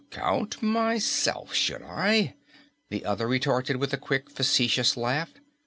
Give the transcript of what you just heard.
"Count myself, should I?" the other retorted with a quick facetious laugh.